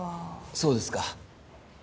そうですか。